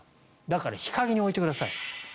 だから、日陰に置いてください。